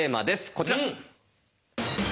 こちら！